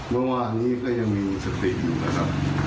เมื่อวานนี้ก็ยังมีสติอยู่นะครับ